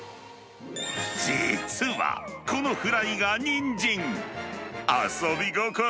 実は、このフライがにんじん。